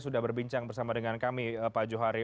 sudah berbincang bersama dengan kami pak johari